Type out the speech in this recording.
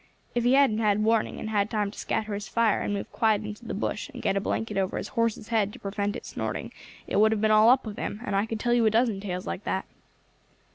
If he hadn't had warning, and had time to scatter his fire, and move quiet into the bush, and get a blanket over his horse's head to prevent it snorting, it would have been all up with him; and I could tell you a dozen tales like that."